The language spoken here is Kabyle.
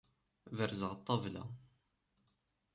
Berzeɣ ṭṭabla.